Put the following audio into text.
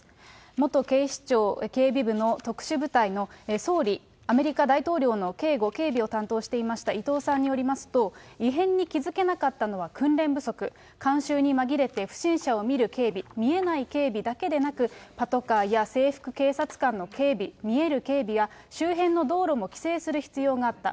元警視庁警備部の特殊部隊の総理アメリカ大統領の警護・警備を担当していました伊藤さんによりますと、異変に気付けなかったのは訓練不足、観衆に紛れて、不審者を見る警備、見えない警備だけでなく、パトカーや制服警察官の警備、見える警備や周辺の道路も規制する必要があった。